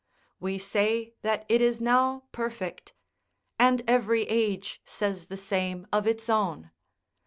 We say that it is now perfect; and every age says the same of its own.